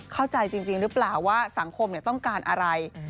เข้าใจจริงหรือเปล่าว่าสังคมต้องการอะไร